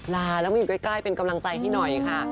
ลาแล้วมาอยู่ใกล้เป็นกำลังใจให้หน่อยค่ะ